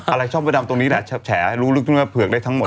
อะไรชอบประดำตรงนี้แหละแชบแฉะรู้รึเปลือกได้ทั้งหมด